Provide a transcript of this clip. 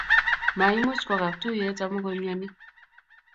maimuch kwo kaptuyet amu koimiani